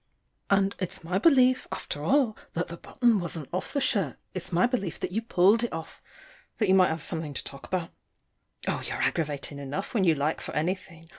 And it's my belief, after all, that the button wasn't off the shirt; it's my belief that you pulled it off, that you might have something to talk about. Oh, you're aggravating enough, when you like, for anything.